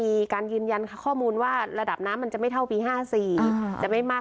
ให้เตรียมจับตามีหย่อมความกดอากาศต่ำเกิดขึ้นอีก